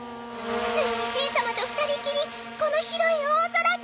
ついにしん様と２人きりこの広い大空で。